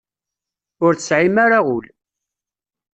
Ur tesɛim ara ul.